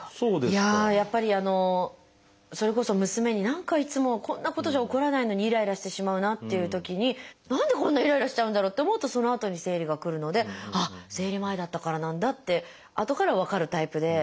やっぱりそれこそ娘に何かいつもこんなことじゃ怒らないのにイライラしてしまうなっていうときに何でこんなイライラしちゃうんだろうって思うとそのあとに生理がくるのであっ生理前だったからなんだってあとから分かるタイプで。